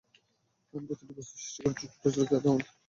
আমি প্রতিটি বস্তু সৃষ্টি করেছি জোড়ায়-জোড়ায়, যাতে তোমরা উপদেশ গ্রহণ কর।